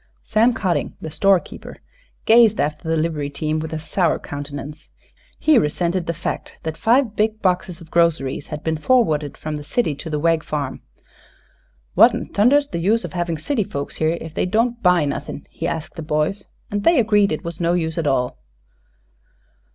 Sam Cotting, the store keeper, gazed after the livery team with a sour countenance, he resented the fact that five big boxes of groceries had been forwarded from the city to the Wegg farm. "What'n thunder's the use havin' city folks here, ef they don't buy nothin'?" he asked the boys; and they agreed it was no use at all.